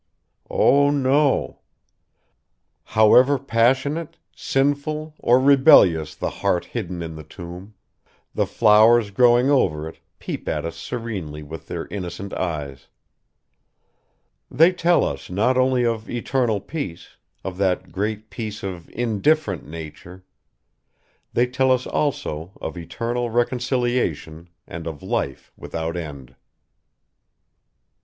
Oh, no! However passionate, sinful or rebellious the heart hidden in the tomb, the flowers growing over it peep at us serenely with their innocent eyes; they tell us not only of eternal peace, of that great peace of "indifferent" nature; they tell us also of eternal reconciliation and of life without end.